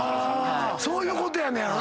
そういうことやねんやろな。